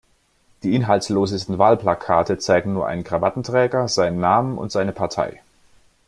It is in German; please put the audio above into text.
Die inhaltslosesten Wahlplakate zeigen nur einen Krawattenträger, seinen Namen und seine Partei.